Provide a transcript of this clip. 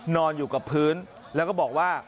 นอนอยู่กับพื้นแล้วก็บอกว่า